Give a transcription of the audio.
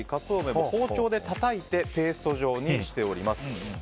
これを包丁でたたいてペースト状にしております。